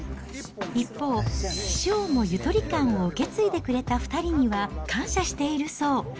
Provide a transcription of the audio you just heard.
一方、師匠もゆとり館を受け継いでくれた２人には感謝しているそう。